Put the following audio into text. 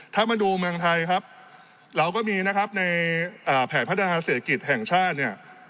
ถ้ามาดูเมืองไทยครับเราก็มีนะครับในแผนพัฒนาเศรษฐกิจแห่งชาติเนี่ย